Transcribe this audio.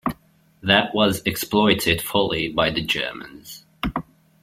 That was exploited fully by the Germans.